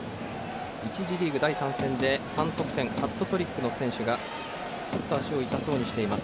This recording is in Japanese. １次リーグ第３戦で３得点ハットトリックの選手がちょっと足を痛そうにしています。